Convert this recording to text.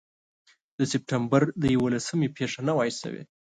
د سپټمبر د یوولسمې پېښه نه وای شوې.